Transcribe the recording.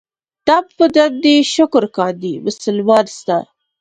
دم په دم دې شکر کاندي مسلمان ستا.